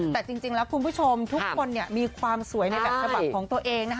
แต่จริงแล้วคุณผู้ชมทุกคนมีความสวยในแบบฉบับของตัวเองนะคะ